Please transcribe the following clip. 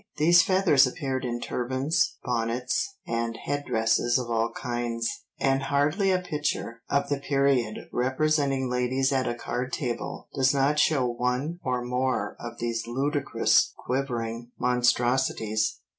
These feathers appeared in turbans, bonnets, and head dresses of all kinds, and hardly a picture of the period representing ladies at a card table does not show one or more of these ludicrous quivering monstrosities.